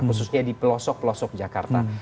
khususnya di pelosok pelosok jakarta